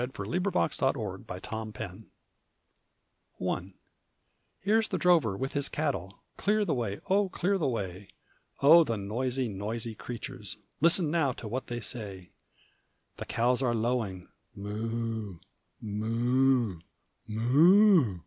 FARM VOICES I Here's the drover with his cattle, Clear the way, oh! clear the way! Oh! the noisy, noisy creatures, Listen now to what they say. The cows are lowing "Moo, moo, moo!"